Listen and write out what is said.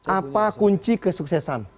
apa kunci kesuksesan